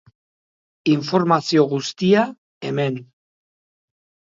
Informazio guztia, hemen.